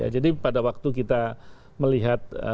jadi pada waktu kita melihat